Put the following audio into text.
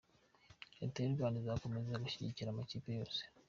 Leta y’ u Rwanda izakomeza gushyigikira amakipe yose.